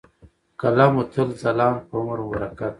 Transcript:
، قلم مو تل ځلاند په عمر مو برکت .